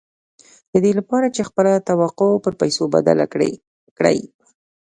د دې لپاره چې خپله توقع پر پيسو بدله کړئ.